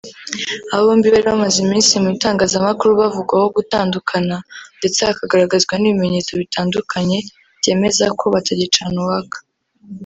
Aba bombi bari bamaze iminsi mu itangazamakuru bavugwaho gutandukana ndetse hakagaragazwa n’ibimenyetso bitandukanye byemeza ko batagicana uwaka